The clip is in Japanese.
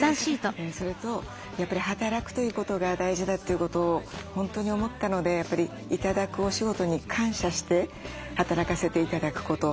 それとやっぱり働くということが大事だということを本当に思ったのでやっぱり頂くお仕事に感謝して働かせて頂くこと。